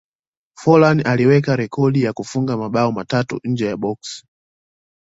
forlan aliweka rekodi ya kufunga mabao matatu nje ya boksi